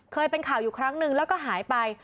เคยเป็นข่าวอยู่ครั้งนึงแล้วก็หายไป